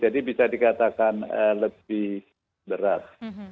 jadi bisa dikatakan lebih berat